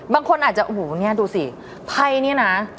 บางคนอาจจะโอ้โหนี่ดูสิใครนี่นะ